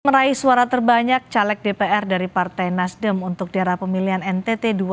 meraih suara terbanyak caleg dpr dari partai nasdem untuk daerah pemilihan ntt dua ribu dua puluh